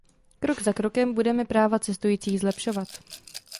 Krok za krokem budeme práva cestujících zlepšovat.